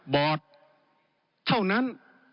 บอร์ดเท่านั้น